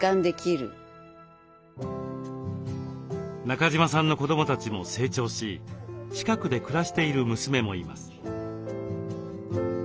中島さんの子どもたちも成長し近くで暮らしている娘もいます。